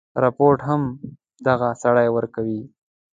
رپوټ هم دغه سړي ورکړی وو.